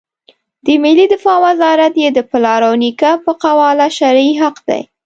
د ملي دفاع وزارت یې د پلار او نیکه په قواله شرعي حق دی.